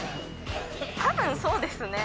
多分そうですね